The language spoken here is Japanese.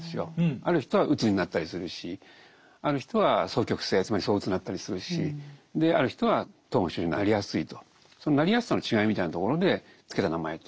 ある人はうつになったりするしある人は双極性つまりそううつになったりするしである人は統合失調症になりやすいとそのなりやすさの違いみたいなところで付けた名前と。